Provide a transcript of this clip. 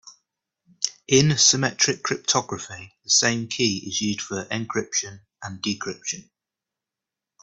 In symmetric cryptography the same key is used for encryption and decryption.